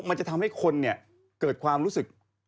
มันจะทำให้คนเกิดความรู้สึก